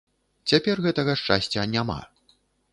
Цяпер гэтага шчасця няма.